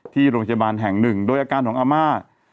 ที่โรงพยาบาลแห่งหนึ่งโดยอาการของอาม่า